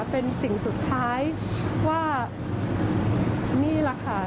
เป็นสิ่งสุดท้ายว่านี่แหละค่ะ